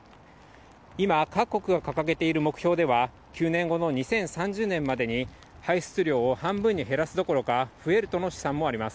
今、各国が掲げている目標では、９年後の２０３０年までに、排出量を半分に減らすどころか、増えるとの試算もあります。